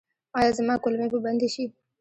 ایا زما کولمې به بندې شي؟